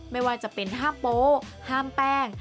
ไม่ว่าจะเป็นห้ามโป๊ห้ามแป้ง